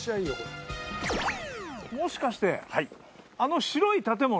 もしかしてあの白い建物？